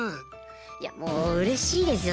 いやもううれしいですよ